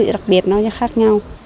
đẹp nó cho khác nhau